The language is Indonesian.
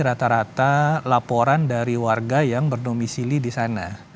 rata rata laporan dari warga yang berdomisili di sana